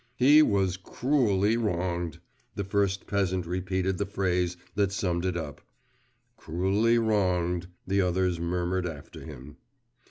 'He was cruelly wronged,' the first peasant repeated the phrase that summed it up. 'Cruelly wronged,' the others murmured after him.